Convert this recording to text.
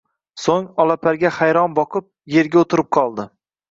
So`ng, Olaparga hayron boqib, erga o`tirib qoldi